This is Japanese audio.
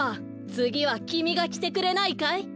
つぎはきみがきてくれないかい？